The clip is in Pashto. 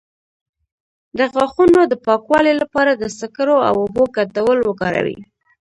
د غاښونو د پاکوالي لپاره د سکرو او اوبو ګډول وکاروئ